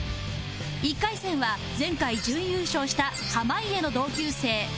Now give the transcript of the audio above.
１回戦は前回準優勝した濱家の同級生澤井さん